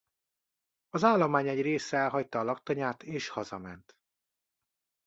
Az állomány egy része elhagyta a laktanyát és hazament.